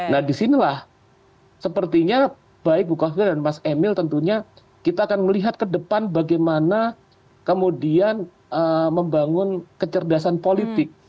nah disinilah sepertinya baik bu kofil dan mas emil tentunya kita akan melihat ke depan bagaimana kemudian membangun kecerdasan politik